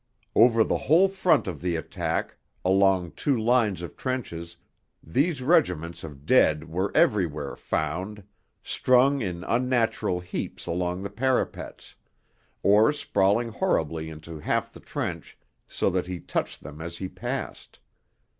Over the whole front of the attack, along two lines of trenches, these regiments of dead were everywhere found, strung in unnatural heaps along the parapets, or sprawling horribly half into the trench so that he touched them as he passed.